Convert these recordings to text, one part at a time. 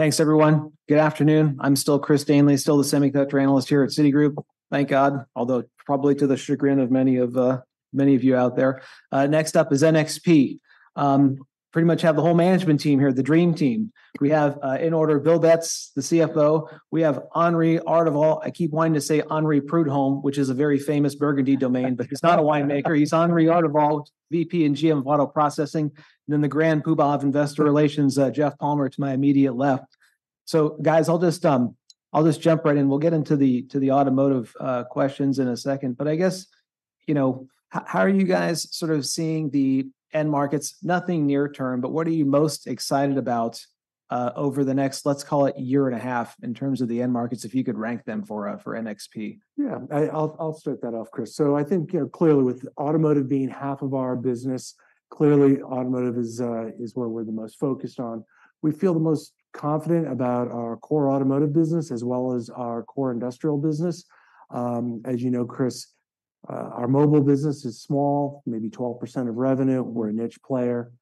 Thanks, everyone. Good afternoon. I'm still Chris Danely, still the semiconductor analyst here at Citigroup. Thank God, although probably to the chagrin of many of, many of you out there. Next up is NXP. Pretty much have the whole management team here, the dream team. We have, in order, Bill Betz, the CFO. We have Henri Ardevol. I keep wanting to say Henri Prudhon, which is a very famous Burgundy domain, but he's not a winemaker. He's Henri Ardevol, VP and GM of Auto Processing, and then the Grand Poobah of Investor Relations, Jeff Palmer, to my immediate left. So guys, I'll just, I'll just jump right in. We'll get into the, to the automotive, questions in a second. But I guess, you know, how are you guys sort of seeing the end markets? Nothing near-term, but what are you most excited about, over the next, let's call it year and a half, in terms of the end markets, if you could rank them for, for NXP? Yeah. I'll start that off, Chris. So I think, you know, clearly, with automotive being half of our business, clearly automotive is where we're the most focused on. We feel the most confident about our core automotive business as well as our core industrial business. As you know, Chris, our mobile business is small, maybe 12% of revenue. We're a niche player.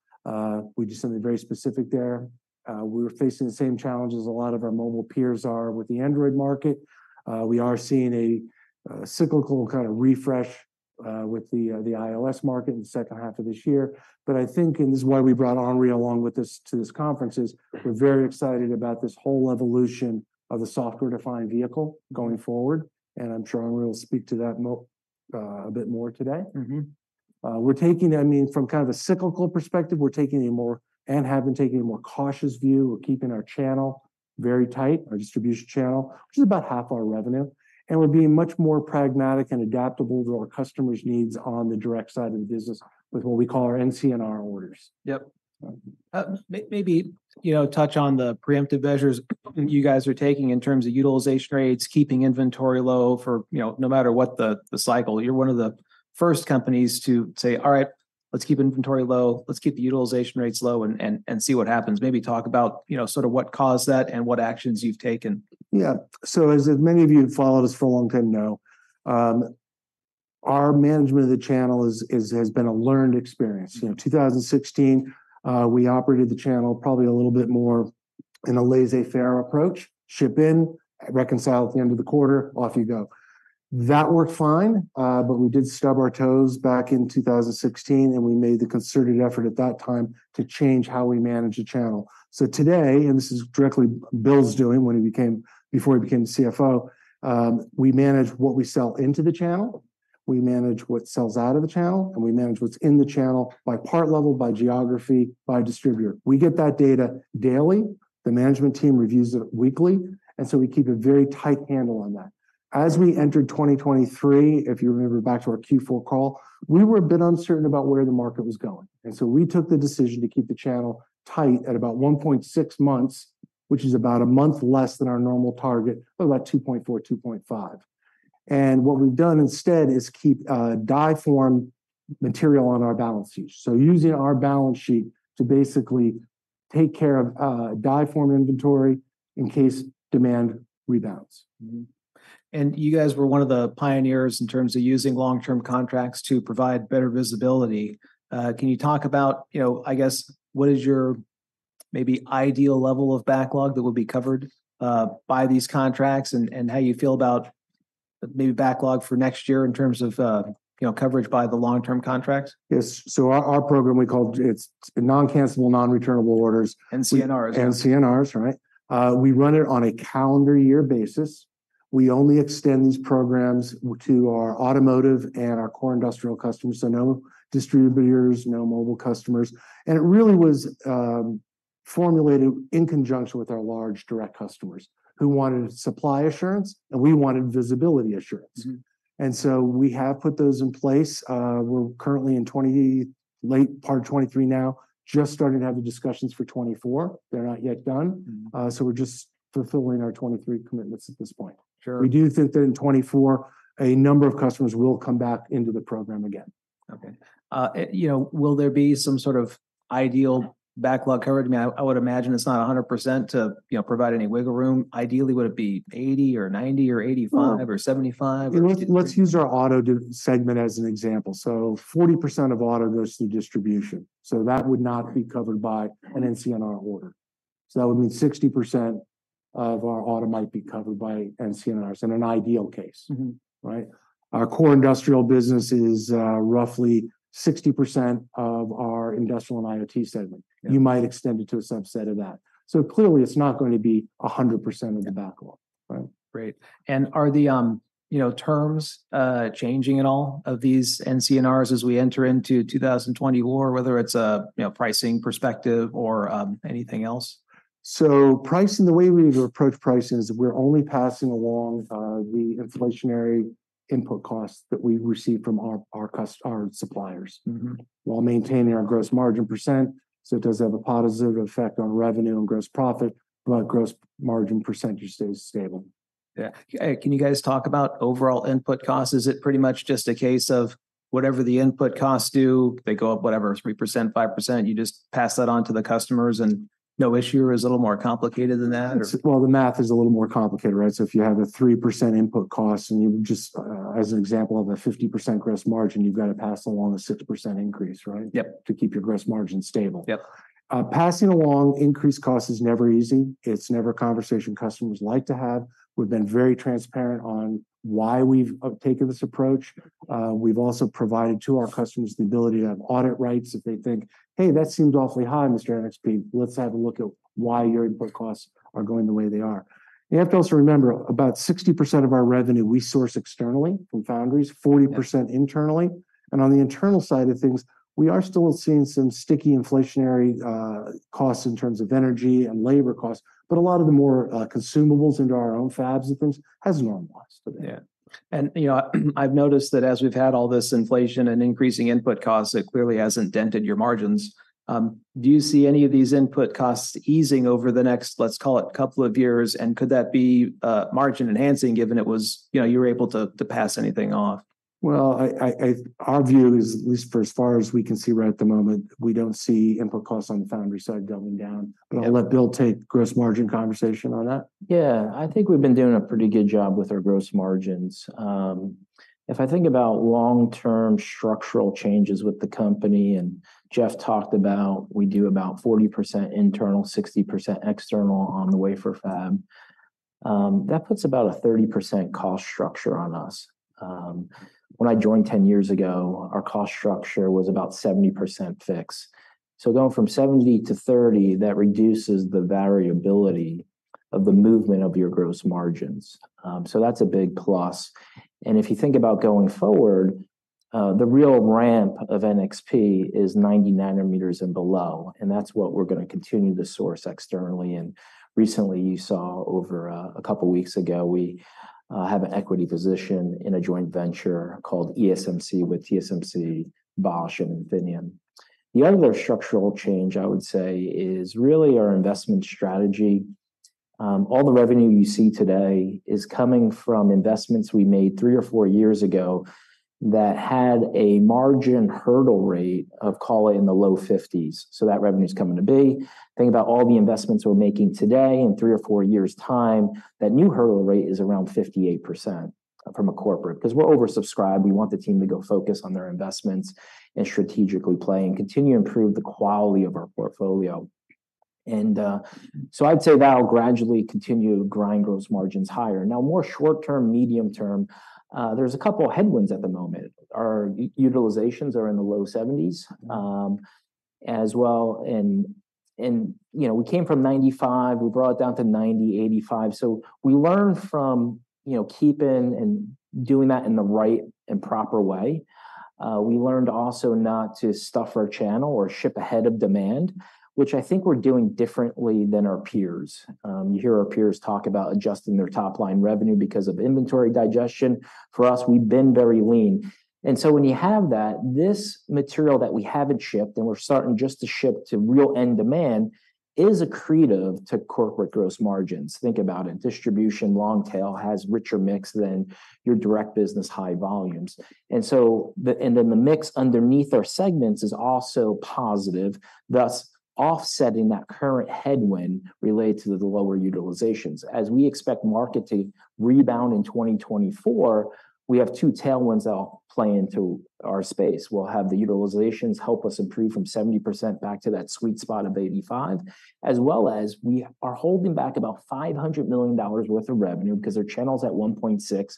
We do something very specific there. We're facing the same challenges a lot of our mobile peers are with the Android market. We are seeing a cyclical kind of refresh with the iOS market in the second half of this year. But I think, and this is why we brought Henri along with us to this conference, is we're very excited about this whole evolution of the software-defined vehicle going forward, and I'm sure Henri will speak to that more, a bit more today. Mm-hmm. I mean, from kind of a cyclical perspective, we're taking a more and have been taking a more cautious view. We're keeping our channel very tight, our distribution channel, which is about half our revenue, and we're being much more pragmatic and adaptable to our customers' needs on the direct side of the business with what we call our NCNR orders. Yep. Maybe, you know, touch on the preemptive measures you guys are taking in terms of utilization rates, keeping inventory low for, you know, no matter what the cycle. You're one of the first companies to say, "All right, let's keep inventory low, let's keep the utilization rates low, and see what happens." Maybe talk about, you know, sort of what caused that and what actions you've taken. Yeah. So as many of you who've followed us for a long time know, our management of the channel is, has been a learned experience. You know, 2016, we operated the channel probably a little bit more in a laissez-faire approach. Ship in, reconcile at the end of the quarter, off you go. That worked fine, but we did stub our toes back in 2016, and we made the concerted effort at that time to change how we manage a channel. So today, and this is directly Bill's doing when he became before he became CFO, we manage what we sell into the channel, we manage what sells out of the channel, and we manage what's in the channel by part level, by geography, by distributor. We get that data daily. The management team reviews it weekly, and so we keep a very tight handle on that. As we entered 2023, if you remember back to our Q4 call, we were a bit uncertain about where the market was going, and so we took the decision to keep the channel tight at about 1.6 months, which is about a month less than our normal target of about 2.4-2.5. And what we've done instead is keep die form material on our balance sheet. So using our balance sheet to basically take care of die form inventory in case demand rebounds. Mm-hmm. And you guys were one of the pioneers in terms of using long-term contracts to provide better visibility. Can you talk about, you know, I guess, what is your maybe ideal level of backlog that would be covered by these contracts, and, and how you feel about maybe backlog for next year in terms of, you know, coverage by the long-term contracts? Yes. So our program, we call it, it's non-cancellable, non-returnable orders- NCNR. NCNRs, right. We run it on a calendar year basis. We only extend these programs to our automotive and our core industrial customers, so no distributors, no mobile customers. It really was formulated in conjunction with our large direct customers who wanted supply assurance, and we wanted visibility assurance. Mm-hmm. So we have put those in place. We're currently in the late part of 2023 now, just starting to have the discussions for 2024. They're not yet done. Mm-hmm. We're just fulfilling our 23 commitments at this point. Sure. We do think that in 2024, a number of customers will come back into the program again. Okay. You know, will there be some sort of ideal backlog coverage? I mean, I would imagine it's not 100% to, you know, provide any wiggle room. Ideally, would it be 80 or 90 or 85- Sure or 75 or? Let's, let's use our auto segment as an example. So 40% of auto goes through distribution, so that would not be covered by an NCNR order. So that would mean 60% of our auto might be covered by NCNRs in an ideal case. Mm-hmm. Right? Our core industrial business is roughly 60% of our industrial and IoT segment. Yeah. You might extend it to a subset of that. So clearly, it's not going to be 100% of the backlog. Right. Great. And are the, you know, terms changing at all of these NCNRs as we enter into 2024, whether it's a, you know, pricing perspective or anything else? So pricing, the way we approach pricing is we're only passing along the inflationary input costs that we receive from our suppliers. Mm-hmm. While maintaining our gross margin percent, so it does have a positive effect on revenue and gross profit, but gross margin percentage stays stable. Yeah. Can you guys talk about overall input costs? Is it pretty much just a case of whatever the input costs do, they go up, whatever, 3%, 5%, you just pass that on to the customers and... no issue or is it a little more complicated than that, or? Well, the math is a little more complicated, right? So if you have a 3% input cost and you just, as an example, have a 50% gross margin, you've got to pass along a 6% increase, right? Yep. To keep your gross margin stable. Yep. Passing along increased cost is never easy. It's never a conversation customers like to have. We've been very transparent on why we've taken this approach. We've also provided to our customers the ability to have audit rights if they think, "Hey, that seems awfully high, Mr. NXP. Let's have a look at why your input costs are going the way they are." You have to also remember, about 60% of our revenue, we source externally from foundries. Yeah... 40% internally, and on the internal side of things, we are still seeing some sticky inflationary costs in terms of energy and labor costs, but a lot of the more consumables into our own fabs and things has normalized today. Yeah. And, you know, I've noticed that as we've had all this inflation and increasing input costs, it clearly hasn't dented your margins. Do you see any of these input costs easing over the next, let's call it, couple of years? And could that be a margin-enhancing, given it was, you know, you were able to to pass anything off? Well, our view is, at least for as far as we can see right at the moment, we don't see input costs on the foundry side going down. Yeah. But I'll let Bill take gross margin conversation on that. Yeah, I think we've been doing a pretty good job with our gross margins. If I think about long-term structural changes with the company, and Jeff talked about, we do about 40% internal, 60% external on the wafer fab. That puts about a 30% cost structure on us. When I joined 10 years ago, our cost structure was about 70% fixed. So going from 70%-30%, that reduces the variability of the movement of your gross margins. So that's a big plus. And if you think about going forward, the real ramp of NXP is 90 nanometers and below, and that's what we're gonna continue to source externally. And recently you saw over a couple of weeks ago, we have an equity position in a joint venture called ESMC, with TSMC, Bosch and Infineon. The other structural change, I would say, is really our investment strategy. All the revenue you see today is coming from investments we made three or four years ago that had a margin hurdle rate of call it in the low 50s, so that revenue's coming to be. Think about all the investments we're making today, in three or four years' time, that new hurdle rate is around 58% from a corporate. Because we're oversubscribed, we want the team to go focus on their investments and strategically play and continue to improve the quality of our portfolio. And, so I'd say that'll gradually continue to grind gross margins higher. Now, more short-term, medium-term, there's a couple of headwinds at the moment. Our utilizations are in the low 70s, as well, and, and, you know, we came from 95, we brought it down to 90, 85. So we learned from, you know, keeping and doing that in the right and proper way. We learned also not to stuff our channel or ship ahead of demand, which I think we're doing differently than our peers. You hear our peers talk about adjusting their top-line revenue because of inventory digestion. For us, we've been very lean. And so when you have that, this material that we haven't shipped, and we're starting just to ship to real end demand, is accretive to corporate gross margins. Think about it, distribution long tail has richer mix than your direct business high volumes. And then the mix underneath our segments is also positive, thus offsetting that current headwind related to the lower utilizations. As we expect market to rebound in 2024, we have two tailwinds that'll play into our space. We'll have the utilizations help us improve from 70% back to that sweet spot of 85, as well as we are holding back about $500 million worth of revenue because our channel's at 1.6,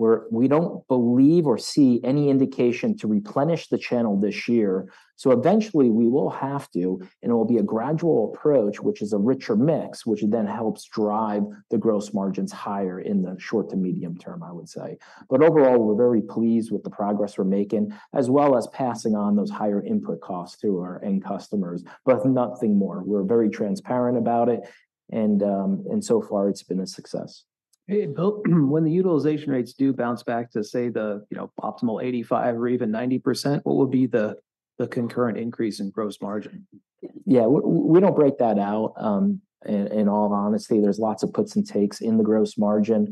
where we don't believe or see any indication to replenish the channel this year. So eventually, we will have to, and it will be a gradual approach, which is a richer mix, which then helps drive the gross margins higher in the short- to medium-term, I would say. But overall, we're very pleased with the progress we're making, as well as passing on those higher input costs to our end customers, but nothing more. We're very transparent about it, and so far, it's been a success. Hey, Bill, when the utilization rates do bounce back to, say, the, you know, optimal 85% or even 90%, what would be the concurrent increase in gross margin? Yeah, we don't break that out. In all honesty, there's lots of puts and takes in the gross margin.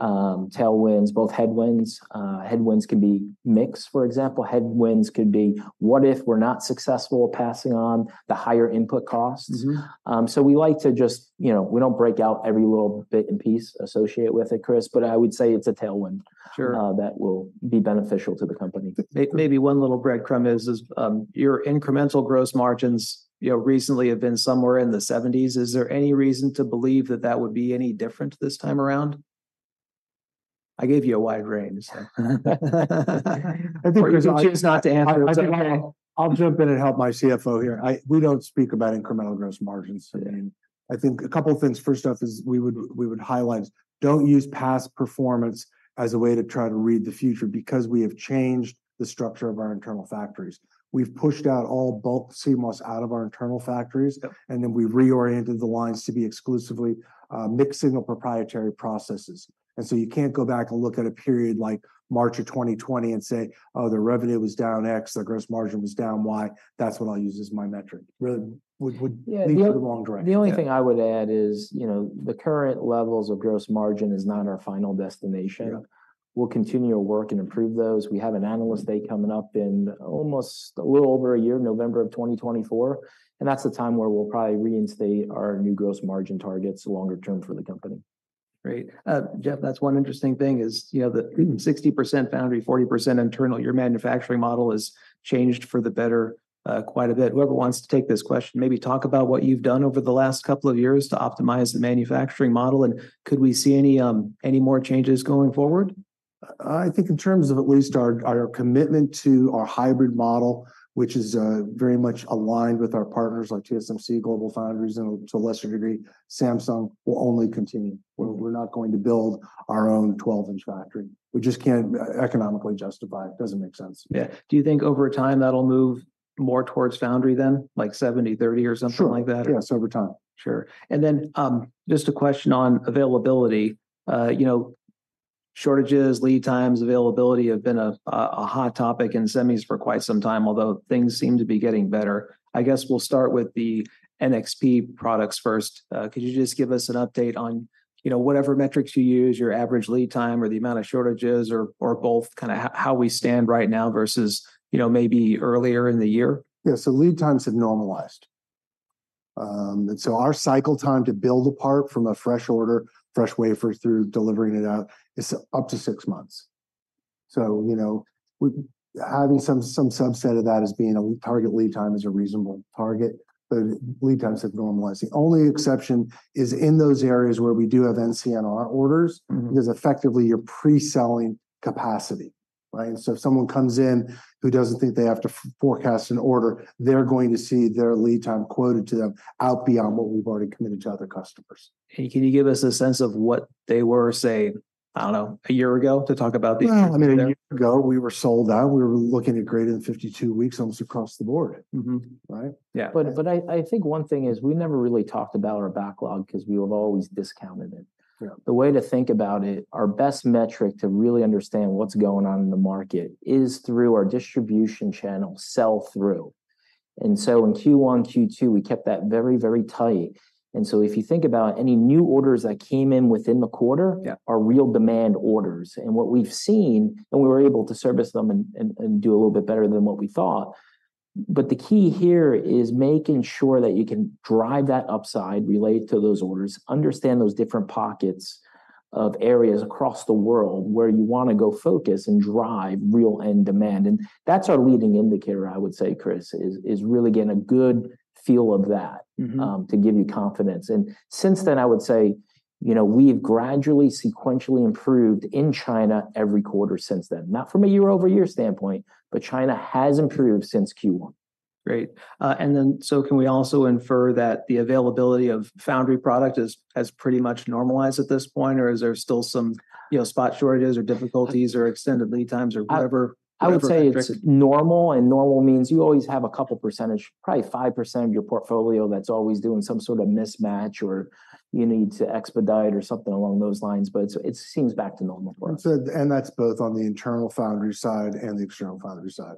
Tailwinds, both headwinds. Headwinds could be mix, for example. Headwinds could be, what if we're not successful passing on the higher input costs? Mm-hmm. We like to just, you know, we don't break out every little bit and piece associated with it, Chris, but I would say it's a tailwind. Sure... that will be beneficial to the company. Maybe one little breadcrumb is your incremental gross margins, you know, recently have been somewhere in the 70s%. Is there any reason to believe that that would be any different this time around? I gave you a wide range, so, I think- Or you choose not to answer. I'll jump in and help my CFO here. We don't speak about incremental gross margins. Yeah. I think a couple of things. First off is we would, we would highlight, don't use past performance as a way to try to read the future, because we have changed the structure of our internal factories. We've pushed out all bulk CMOS out of our internal factories- Yep... and then we've reoriented the lines to be exclusively mixed-signal proprietary processes. And so you can't go back and look at a period like March of 2020 and say, "Oh, the revenue was down X, the gross margin was down Y. That's what I'll use as my metric." Really, we, Yeah... lead to the wrong direction. The only thing I would add is, you know, the current levels of gross margin is not our final destination. Yeah.... we'll continue to work and improve those. We have an analyst day coming up in almost a little over a year, November 2024, and that's the time where we'll probably reinstate our new growth margin targets longer-term for the company. Great. Jeff, that's one interesting thing, is, you know, the 60% foundry, 40% internal, your manufacturing model has changed for the better, quite a bit. Whoever wants to take this question, maybe talk about what you've done over the last couple of years to optimize the manufacturing model, and could we see any more changes going forward? I think in terms of at least our commitment to our hybrid model, which is very much aligned with our partners like TSMC, GlobalFoundries, and to a lesser degree, Samsung, will only continue. We're not going to build our own 12-inch factory. We just can't economically justify it. It doesn't make sense. Yeah. Do you think over time that'll move more towards foundry then, like 70-30 or something like that? Sure. Yes, over time. Sure. And then, just a question on availability. You know, shortages, lead times, availability have been a hot topic in semis for quite some time, although things seem to be getting better. I guess we'll start with the NXP products first. Could you just give us an update on, you know, whatever metrics you use, your average lead time or the amount of shortages or both, kind of how we stand right now versus, you know, maybe earlier in the year? Yeah. So lead times have normalized. And so our cycle time to build a part from a fresh order, fresh wafer through delivering it out, is up to six months. So, you know, we having some, some subset of that as being a target lead time is a reasonable target, but lead times have normalized. The only exception is in those areas where we do have NCNR orders- Mm-hmm. because effectively, you're pre-selling capacity, right? So if someone comes in who doesn't think they have to forecast an order, they're going to see their lead time quoted to them out beyond what we've already committed to other customers. Can you give us a sense of what they were, say, I don't know, a year ago, to talk about the- Well, I mean, a year ago, we were sold out. We were looking at greater than 52 weeks almost across the board. Mm-hmm. Right? Yeah. But I think one thing is we never really talked about our backlog 'cause we have always discounted it. Yeah. The way to think about it, our best metric to really understand what's going on in the market is through our distribution channel sell-through. And so in Q1, Q2, we kept that very, very tight. And so if you think about any new orders that came in within the quarter- Yeah... are real demand orders. And what we've seen, and we were able to service them and do a little bit better than what we thought. But the key here is making sure that you can drive that upside related to those orders, understand those different pockets of areas across the world where you wanna go focus and drive real end demand. And that's our leading indicator, I would say, Chris, is really getting a good feel of that- Mm-hmm... to give you confidence. And since then, I would say, you know, we've gradually sequentially improved in China every quarter since then. Not from a year-over-year standpoint, but China has improved since Q1. Great. And then, so can we also infer that the availability of foundry product is, has pretty much normalized at this point, or is there still some, you know, spot shortages or difficulties or extended lead times or whatever? I would say it's normal, and normal means you always have a couple percentage, probably 5% of your portfolio, that's always doing some sort of mismatch, or you need to expedite or something along those lines, but it, it seems back to normal levels. And that's both on the internal foundry side and the external foundry side,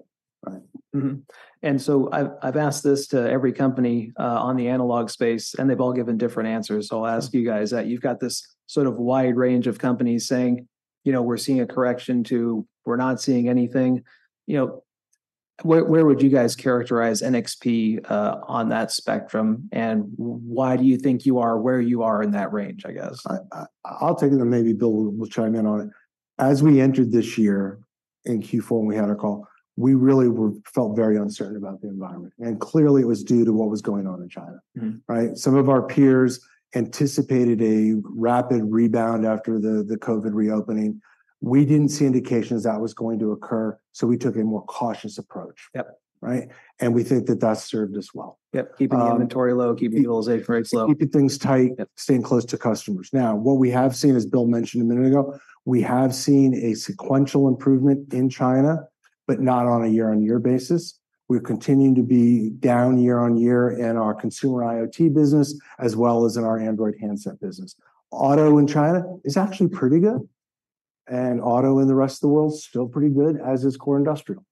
right? Mm-hmm. And so I've asked this to every company on the analog space, and they've all given different answers. So I'll ask you guys that you've got this sort of wide range of companies saying, you know, we're seeing a correction to we're not seeing anything. You know, where would you guys characterize NXP on that spectrum, and why do you think you are where you are in that range, I guess? I'll take it, and maybe Bill will chime in on it. As we entered this year, in Q4 when we had our call, we really felt very uncertain about the environment, and clearly it was due to what was going on in China. Mm-hmm. Right? Some of our peers anticipated a rapid rebound after the COVID reopening. We didn't see indications that was going to occur, so we took a more cautious approach. Yep. Right? And we think that that's served us well. Yep, keeping the inventory low, keeping the yield rates low. Keeping things tight- Yep... staying close to customers. Now, what we have seen, as Bill mentioned a minute ago, we have seen a sequential improvement in China, but not on a year-on-year basis. We're continuing to be down year on year in our consumer IoT business, as well as in our Android handset business. Auto in China is actually pretty good, and auto in the rest of the world, still pretty good, as is core industrial.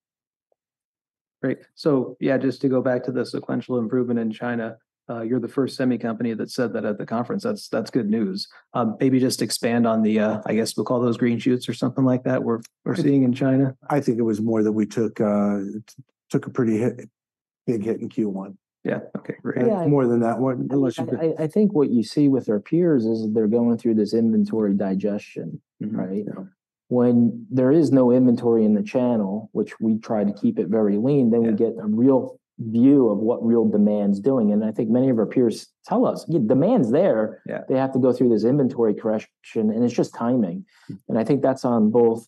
Great. So yeah, just to go back to the sequential improvement in China, you're the first semi company that said that at the conference. That's good news. Maybe just expand on the I guess we'll call those green shoots or something like that we're seeing in China. I think it was more that we took a pretty big hit in Q1. Yeah. Okay, great. Yeah, more than that one, unless you- I think what you see with our peers is they're going through this inventory digestion. Mm-hmm. Right? Yeah. When there is no inventory in the channel, which we try to keep it very lean- Yeah... then we get a real view of what real demand's doing. And I think many of our peers tell us, "Yeah, demand's there. Yeah. They have to go through this inventory correction, and it's just timing. Mm-hmm. I think that's on both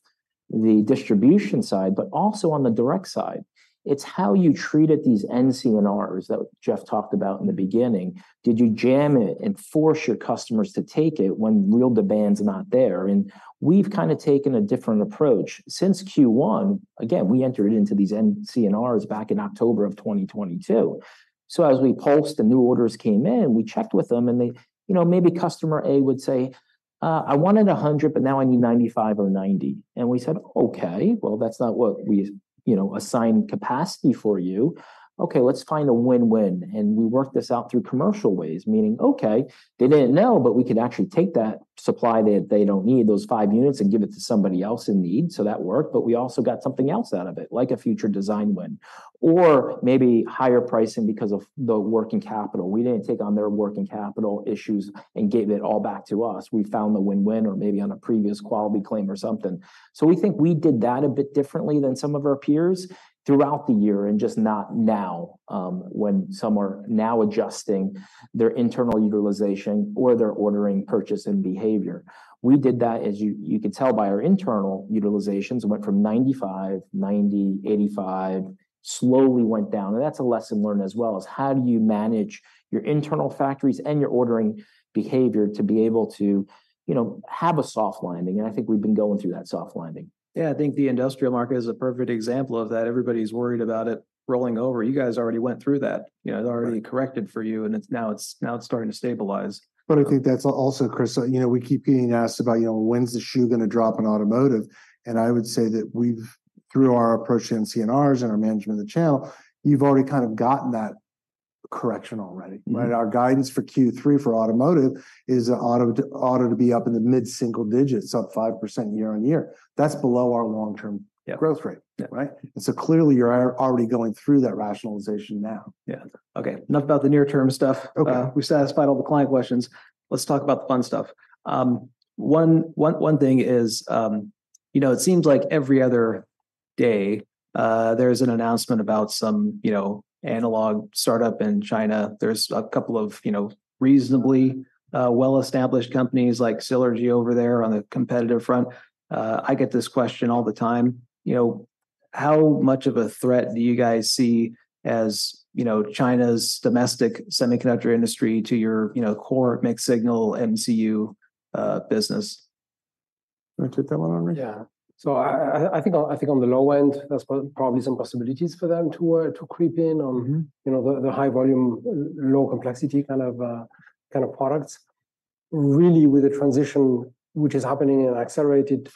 the distribution side, but also on the direct side. It's how you treated these NCNRs that Jeff talked about in the beginning. Did you jam it and force your customers to take it when real demand's not there? And we've kind of taken a different approach. Since Q1, again, we entered into these NCNRs back in October of 2022. So as we pulsed and new orders came in, we checked with them, and they, you know, maybe customer A would say-... I wanted 100, but now I need 95 or 90. And we said, "Okay, well, that's not what we, you know, assigned capacity for you. Okay, let's find a win-win." And we worked this out through commercial ways, meaning, okay, they didn't know, but we could actually take that supply that they don't need, those 5 units, and give it to somebody else in need. So that worked, but we also got something else out of it, like a future design win, or maybe higher pricing because of the working capital. We didn't take on their working capital issues and gave it all back to us. We found the win-win or maybe on a previous quality claim or something. So we think we did that a bit differently than some of our peers throughout the year, and just not now, when some are now adjusting their internal utilization or their ordering, purchasing behavior. We did that, as you could tell by our internal utilizations, it went from 95, 90, 85, slowly went down. And that's a lesson learned as well, is how do you manage your internal factories and your ordering behavior to be able to, you know, have a soft landing? And I think we've been going through that soft landing. Yeah, I think the industrial market is a perfect example of that. Everybody's worried about it rolling over. You guys already went through that. You know, it already corrected for you, and now it's starting to stabilize. But I think that's also, Chris, you know, we keep getting asked about, you know, "When's the shoe gonna drop on automotive?" And I would say that we've, through our approach in NCNRs and our management of the channel, you've already kind of gotten that correction already, right? Mm-hmm. Our guidance for Q3 for automotive is, ought to be up in the mid-single digits, up 5% year-on-year. That's below our long-term- Yeah... growth rate. Yeah. Right? And so clearly, you're already going through that rationalization now. Yeah. Okay, enough about the near-term stuff. Okay. We've satisfied all the client questions. Let's talk about the fun stuff. One thing is, you know, it seems like every other day, there's an announcement about some, you know, analog start-up in China. There's a couple of, you know, reasonably, well-established companies like Silergy over there on the competitive front. I get this question all the time: you know, how much of a threat do you guys see as, you know, China's domestic semiconductor industry to your, you know, core mixed signal MCU, business? You want to take that one, Henri? Yeah. So I think on the low end, there's probably some possibilities for them to creep in on- Mm-hmm... you know, the high volume, low complexity kind of products. Really with the transition, which is happening in an accelerated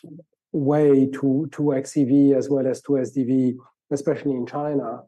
way to XCV as well as to SDV, especially in China,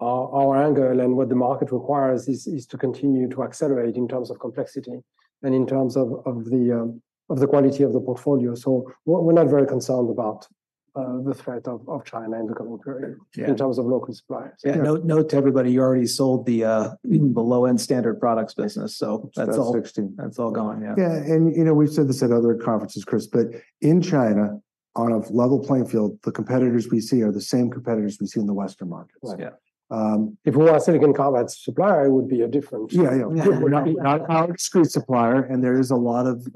our angle and what the market requires is to continue to accelerate in terms of complexity and in terms of the quality of the portfolio. So we're not very concerned about the threat of China in the coming period- Yeah... in terms of local suppliers. Yeah. Note, note to everybody, you already sold the, the low-end standard products business, so that's all- That's sixteen. That's all gone, yeah. Yeah, and, you know, we've said this at other conferences, Chris, but in China, on a level playing field, the competitors we see are the same competitors we see in the Western markets. Right. Yeah. Um- If it were a silicon carbide supplier, it would be a different- Yeah, yeah. We're not, not a discrete supplier, and there is a lot of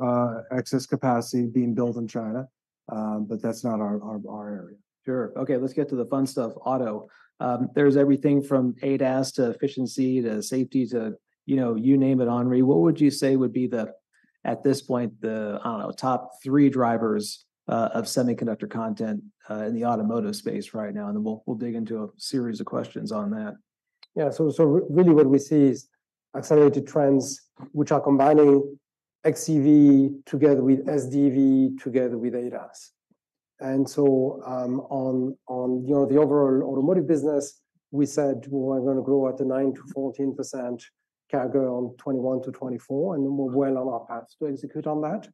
excess capacity being built in China, but that's not our, our, our area. Sure. Okay, let's get to the fun stuff, auto. There's everything from ADAS to efficiency to safety to, you know, you name it, Henri. What would you say would be the, at this point, the, I don't know, top three drivers of semiconductor content in the automotive space right now? And then we'll, we'll dig into a series of questions on that. Yeah, so really what we see is accelerated trends which are combining xEV together with SDV together with ADAS. And so, on, on, you know, the overall automotive business, we said we were gonna grow at a 9%-14% CAGR on 2021-2024, and we're well on our path to execute on that.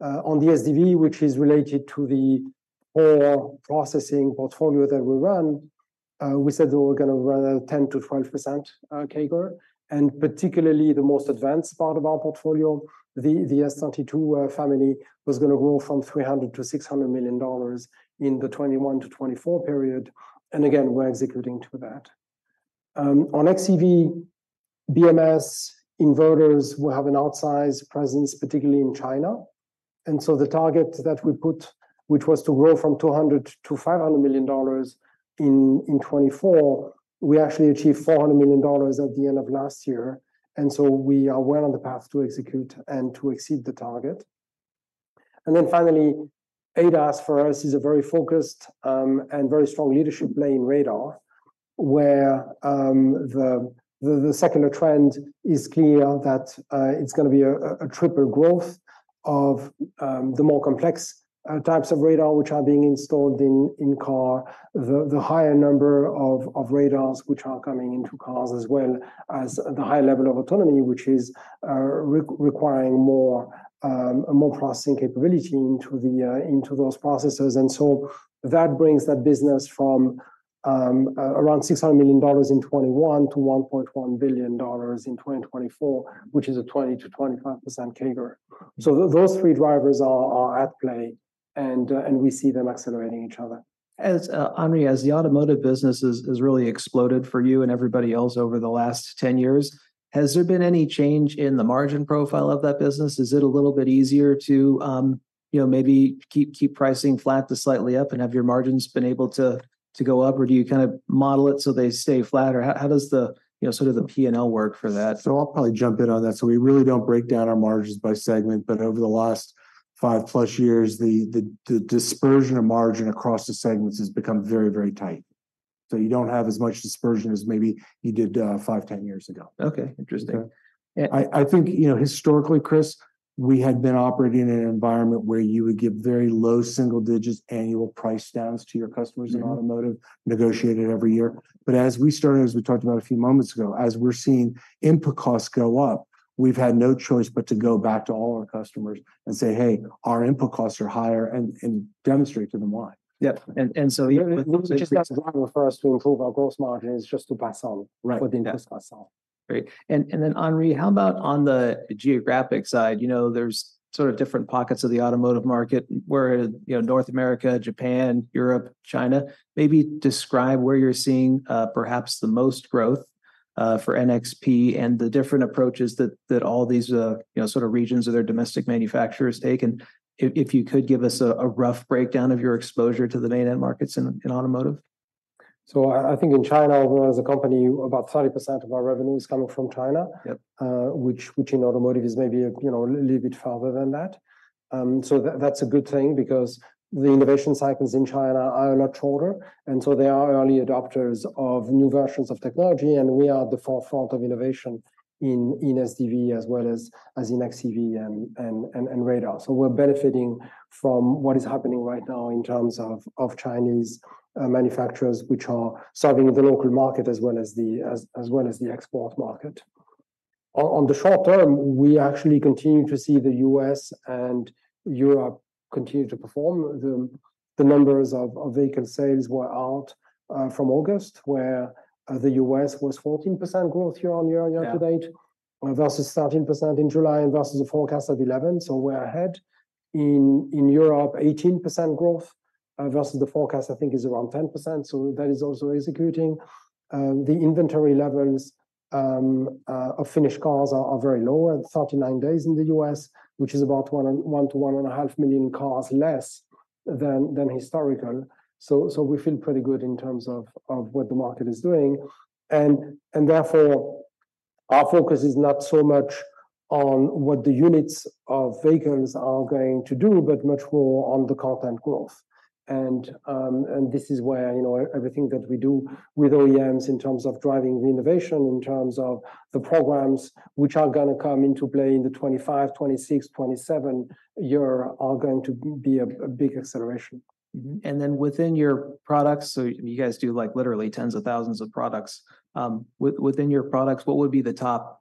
On the SDV, which is related to the core processing portfolio that we run, we said that we're gonna run a 10%-12% CAGR, and particularly the most advanced part of our portfolio, the S32 family, was gonna grow from $300 million to $600 million in the 2021-2024 period, and again, we're executing to that. On xEV, BMS inverters will have an outsized presence, particularly in China, and the target that we put, which was to grow from $200 million to $500 million in 2024, we actually achieved $400 million at the end of last year, and we are well on the path to execute and to exceed the target. Finally, ADAS for us is a very focused and very strong leadership lane radar, where the secondary trend is clear that it's gonna be a triple growth of the more complex types of radar which are being installed in car, the higher number of radars which are coming into cars, as well as the high level of autonomy, which is requiring more processing capability into those processors. And so that brings that business from around $600 million in 2021 to $1.1 billion in 2024, which is a 20%-25% CAGR. So those three drivers are at play, and we see them accelerating each other. As, Henri, as the automotive business has, has really exploded for you and everybody else over the last 10 years, has there been any change in the margin profile of that business? Is it a little bit easier to, you know, maybe keep, keep pricing flat to slightly up? And have your margins been able to, to go up, or do you kind of model it so they stay flat, or how, how does the, you know, sort of the P&L work for that? So I'll probably jump in on that. So we really don't break down our margins by segment, but over the last 5+ years, the dispersion of margin across the segments has become very, very tight. So you don't have as much dispersion as maybe you did 5, 10 years ago. Okay, interesting. Yeah, I think, you know, historically, Chris, we had been operating in an environment where you would give very low single-digits annual price downs to your customers- Mm-hmm. In automotive, negotiated every year. But as we started, as we talked about a few moments ago, as we're seeing input costs go up, we've had no choice but to go back to all our customers and say, "Hey, our input costs are higher," and, and demonstrate to them why. Yep, and so- Just as driving for us to improve our gross margin is just to pass on- Right. For the input cost on. Great. And then, Henri, how about on the geographic side? You know, there's sort of different pockets of the automotive market where, you know, North America, Japan, Europe, China. Maybe describe where you're seeing, perhaps the most growth for NXP and the different approaches that all these you know sort of regions or their domestic manufacturers take. And if you could give us a rough breakdown of your exposure to the main end markets in automotive. So I think in China, as a company, about 30% of our revenue is coming from China- Yep... which, which in automotive is maybe, you know, a little bit farther than that. So that, that's a good thing because the innovation cycles in China are a lot shorter, and so they are early adopters of new versions of technology, and we are at the forefront of innovation in, in SDV, as well as, as in xEV and, and, and, radar. So we're benefiting from what is happening right now in terms of, of Chinese, manufacturers, which are serving the local market as well as the, as, as well as the export market. On, on the short-term, we actually continue to see the U.S. and Europe continue to perform. The, the numbers of, of vehicle sales were out, from August, where, the U.S. was 14% growth year-on-year, year-to-date. Yeah. Versus 13% in July and versus a forecast of 11%, so we're ahead. In Europe, 18% growth versus the forecast I think is around 10%, so that is also executing. The inventory levels of finished cars are very low, at 39 days in the U.S., which is about 1-5 million cars less than historical. So we feel pretty good in terms of what the market is doing. And therefore, our focus is not so much on what the units of vehicles are going to do, but much more on the content growth. This is where, you know, everything that we do with OEMs in terms of driving the innovation, in terms of the programs which are gonna come into play in the 2025, 2026, 2027 year, are going to be a big acceleration. Mm-hmm. And then within your products, so you guys do, like, literally tens of thousands of products. Within your products, what would be the top,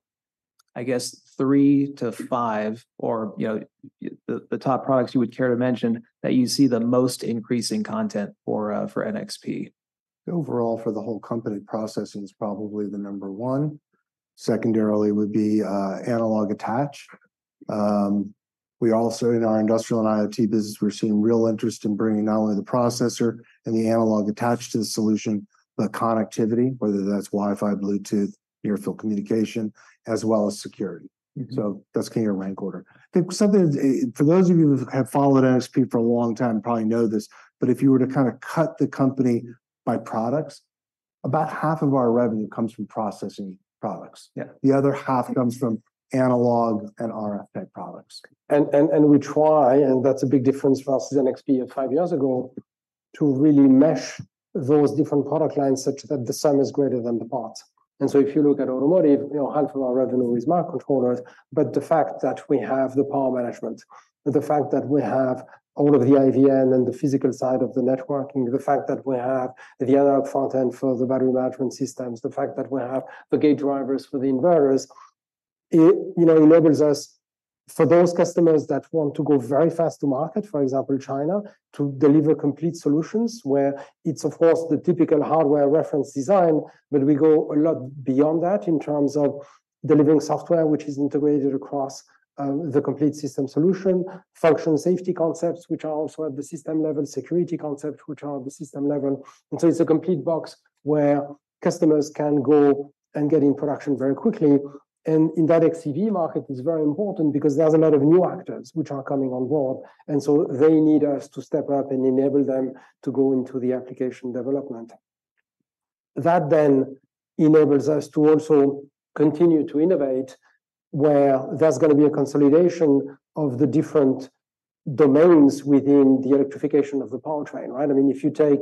I guess, three to five, or, you know, the, the top products you would care to mention that you see the most increase in content for, for NXP? Overall, for the whole company, processing is probably the number one. Secondarily would be analog attach. We also, in our industrial and IoT business, we're seeing real interest in bringing not only the processor and the analog attached to the solution, but connectivity, whether that's Wi-Fi, Bluetooth, near-field communication, as well as security. Mm-hmm. So that's kind of your rank order. I think, for those of you who have followed NXP for a long time probably know this, but if you were to kind of cut the company by products, about half of our revenue comes from processing products. Yeah. The other half comes from analog and RF products. We try, and that's a big difference versus NXP of five years ago, to really mesh those different product lines such that the sum is greater than the parts. And so if you look at automotive, you know, half of our revenue is microcontrollers, but the fact that we have the power management, the fact that we have all of the IVN and the physical side of the networking, the fact that we have the analog front-end for the battery management systems, the fact that we have the gate drivers for the inverters, it, you know, enables us, for those customers that want to go very fast to market, for example, China, to deliver complete solutions where it's, of course, the typical hardware reference design. But we go a lot beyond that in terms of delivering software which is integrated across the complete system solution, functional safety concepts which are also at the system level, security concepts which are at the system level. And so it's a complete box where customers can go and get in production very quickly. And in that xEV market, it's very important because there's a lot of new actors which are coming on board, and so they need us to step up and enable them to go into the application development. That then enables us to also continue to innovate, where there's gonna be a consolidation of the different domains within the electrification of the powertrain, right? I mean, if you take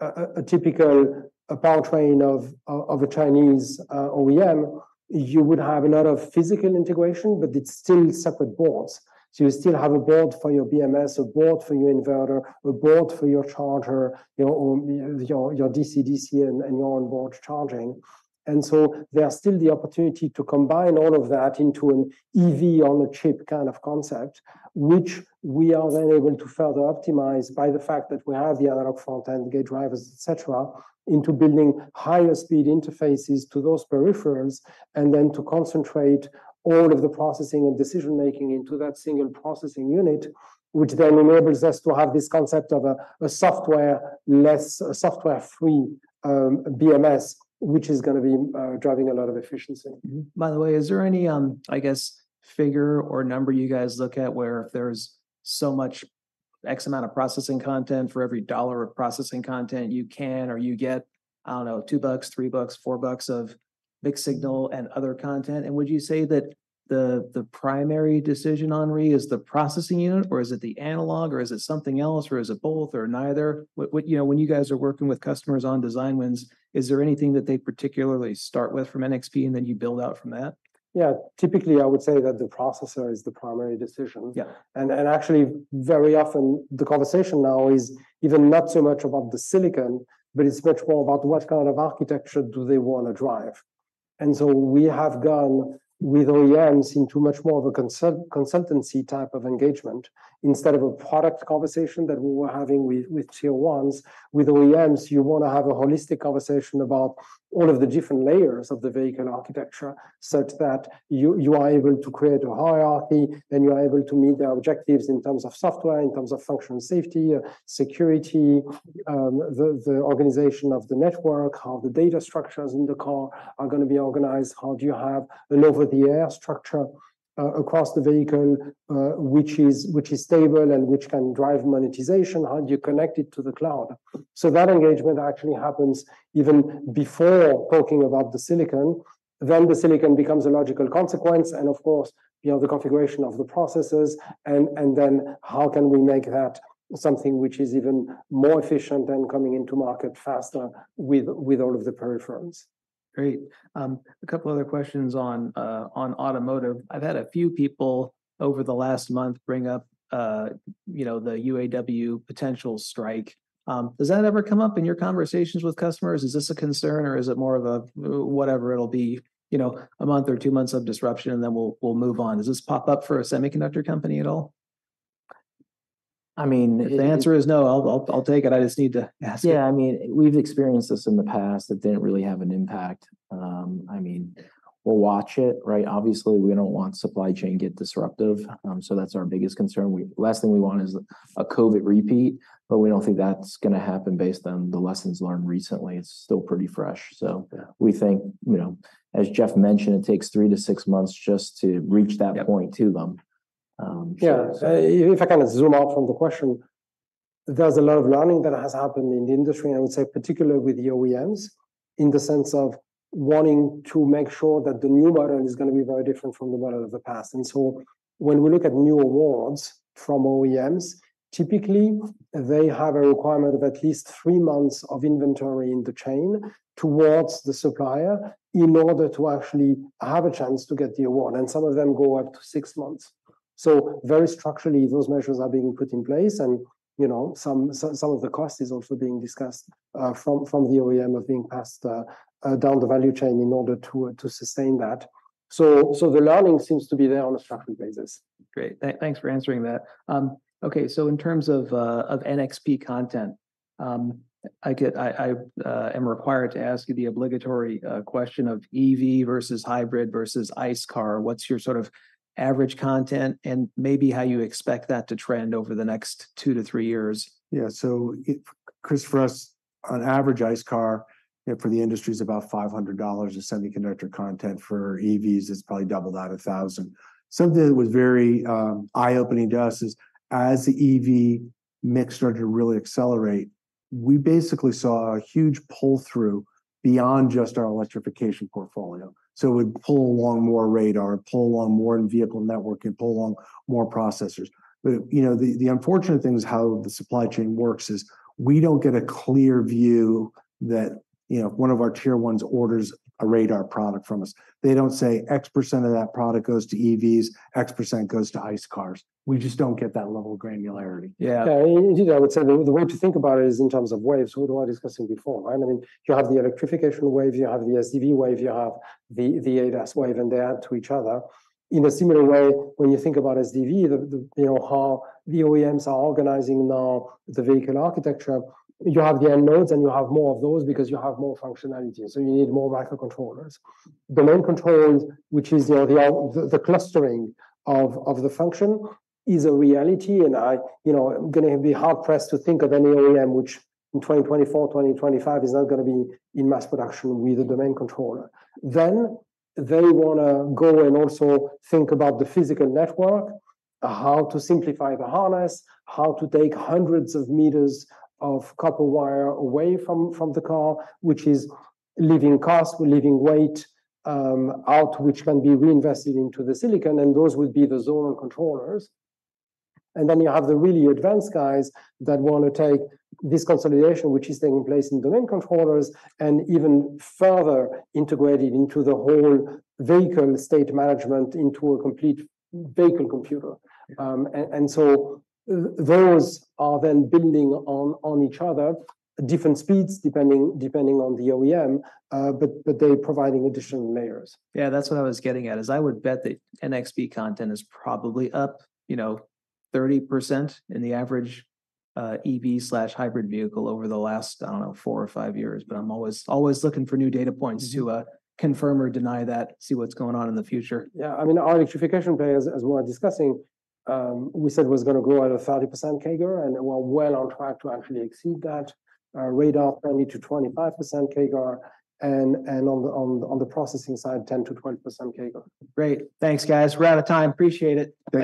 a typical powertrain of a Chinese OEM, you would have a lot of physical integration, but it's still separate boards. So you still have a board for your BMS, a board for your inverter, a board for your charger, your own DC-DC, and your onboard charging. And so there are still the opportunity to combine all of that into an EV-on-a-chip kind of concept, which we are then able to further optimize by the fact that we have the analog front-end, gate drivers, et cetera, into building higher-speed interfaces to those peripherals, and then to concentrate all of the processing and decision-making into that single processing unit, which then enables us to have this concept of a software-less, a software-free BMS, which is gonna be driving a lot of efficiency. Mm-hmm. By the way, is there any, I guess, figure or number you guys look at where if there's so much X amount of processing content for every $1 of processing content, you can, or you get, I don't know, $2, $3, $4 of mixed signal and other content. And would you say that the, the primary decision on RE is the processing unit, or is it the analog, or is it something else, or is it both or neither? What, what, you know, when you guys are working with customers on design wins, is there anything that they particularly start with from NXP and then you build out from that? Yeah, typically, I would say that the processor is the primary decision. Yeah. And actually, very often, the conversation now is even not so much about the silicon, but it's much more about what kind of architecture do they want to drive. And so we have gone with OEMs into much more of a consultancy type of engagement. Instead of a product conversation that we were having with tier ones, with OEMs, you want to have a holistic conversation about all of the different layers of the vehicle architecture, such that you are able to create a hierarchy, and you are able to meet their objectives in terms of software, in terms of functional safety, security, the organization of the network, how the data structures in the car are going to be organized. How do you have an over-the-air structure across the vehicle, which is stable and which can drive monetization? How do you connect it to the cloud? So that engagement actually happens even before talking about the silicon. Then the silicon becomes a logical consequence, and of course, you know, the configuration of the processors, and then how can we make that something which is even more efficient and coming into market faster with all of the peripherals? Great. A couple other questions on automotive. I've had a few people over the last month bring up, you know, the UAW potential strike. Does that ever come up in your conversations with customers? Is this a concern, or is it more of a, "Whatever, it'll be, you know, a month or two months of disruption, and then we'll move on"? Does this pop up for a semiconductor company at all? I mean- If the answer is no, I'll take it. I just need to ask it. Yeah, I mean, we've experienced this in the past. It didn't really have an impact. I mean, we'll watch it, right? Obviously, we don't want supply chain get disruptive, so that's our biggest concern. The last thing we want is a COVID repeat, but we don't think that's gonna happen based on the lessons learned recently. It's still pretty fresh. So- Yeah... we think, you know, as Jeff mentioned, it takes three-six months just to reach that point. Yeah... to them. Yeah. If I kind of zoom out from the question, there's a lot of learning that has happened in the industry, and I would say particularly with the OEMs, in the sense of wanting to make sure that the new model is gonna be very different from the model of the past. And so when we look at new awards from OEMs, typically, they have a requirement of at least three months of inventory in the chain towards the supplier in order to actually have a chance to get the award, and some of them go up to six months. So very structurally, those measures are being put in place, and, you know, some of the cost is also being discussed from the OEM of being passed down the value chain in order to sustain that. So, the learning seems to be there on a structural basis. Great. Thanks for answering that. Okay, so in terms of NXP content, I am required to ask you the obligatory question of EV versus hybrid versus ICE car. What's your sort of average content and maybe how you expect that to trend over the next two to three years? Yeah. So it, Chris, for us, on average, ICE car, you know, for the industry is about $500 of semiconductor content. For EVs, it's probably double that, $1,000. Something that was very eye-opening to us is, as the EV mix started to really accelerate, we basically saw a huge pull-through beyond just our electrification portfolio. So it would pull along more radar, pull along more in-vehicle networking, pull along more processors. But, you know, the, the unfortunate thing is how the supply chain works is we don't get a clear view that, you know, one of our tier ones orders a radar product from us. They don't say X% of that product goes to EVs, X% goes to ICE cars. We just don't get that level of granularity. Yeah. Yeah, and I would say the way to think about it is in terms of waves, what we were discussing before, right? I mean, you have the electrification wave, you have the SDV wave, you have the ADAS wave, and they add to each other. In a similar way, when you think about SDV, you know, how the OEMs are organizing now the vehicle architecture, you have the end nodes, and you have more of those because you have more functionality, so you need more microcontrollers. Domain controllers, which is the clustering of the function, is a reality, and I, you know, I'm gonna be hard-pressed to think of any OEM which in 2024, 2025, is not gonna be in mass production with a domain controller. Then they wanna go and also think about the physical network, how to simplify the harness, how to take hundreds of meters of copper wire away from the car, which is leaving cost, leaving weight out, which can be reinvested into the silicon, and those would be the zonal controllers. And then you have the really advanced guys that want to take this consolidation, which is taking place in domain controllers, and even further integrate it into the whole vehicle state management into a complete vehicle computer. Those are then building on each other at different speeds, depending on the OEM, but they're providing additional layers. Yeah, that's what I was getting at, is I would bet that NXP content is probably up, you know, 30% in the average EV/hybrid vehicle over the last, I don't know, four or five years. But I'm always, always looking for new data points to confirm or deny that, see what's going on in the future. Yeah, I mean, our electrification players, as we were discussing, we said was gonna grow at a 30% CAGR, and we're well on track to actually exceed that. Our radar, 20%-25% CAGR, and on the processing side, 10%-20% CAGR. Great. Thanks, guys. We're out of time. Appreciate it.